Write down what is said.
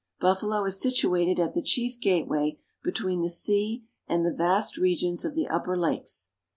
Buffalo is situated at the chief gateway between the sea and the vast regions of the upper lakes.